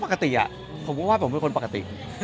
ปกติผมก็ว่าผมเป็นคนปกติ